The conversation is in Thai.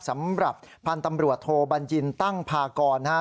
สำหรับพันธุ์ตำรวจโทบัญญินตั้งพากรนะฮะ